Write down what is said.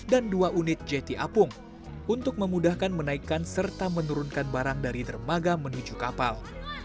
dan dua unit jeti apung untuk memudahkan menaikkan serta menurunkan barang dari dermaga menuju kapal